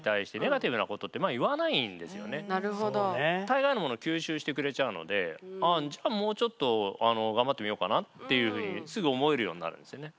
大概のものを吸収してくれちゃうのでじゃあもうちょっと頑張ってみようかなっていうふうにすぐ思えるようになるんですよね。